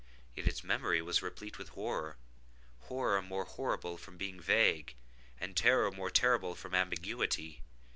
Yet its memory was replete with horror—horror more horrible from being vague, and terror more terrible from ambiguity.